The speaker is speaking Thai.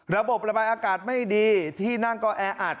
ระบบระบายอากาศไม่ดีที่นั่งก็แออัด